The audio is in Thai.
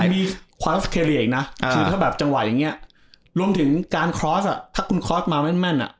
มีความสเคลียอีกนะคือถ้าแบบจังหวะอย่างนี้รวมถึงการคลอสอ่ะถ้าคุณคอร์สมาแม่นอ่ะ